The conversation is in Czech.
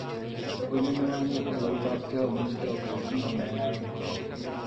Pojmenován je podle italského mužského křestního jména Rocco.